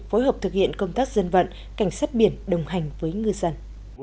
phối hợp thực hiện công tác dân vận cảnh sát biển đồng hành với ngư dân